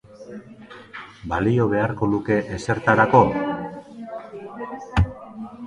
Balio beharko luke ezertarako?